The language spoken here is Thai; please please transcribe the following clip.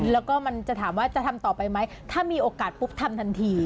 แล้วก็มันจะถามว่าจะทำต่อไปไหมถ้ามีโอกาสปุ๊บทำทันที